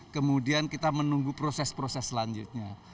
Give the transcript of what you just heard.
kemudian kita menunggu proses proses selanjutnya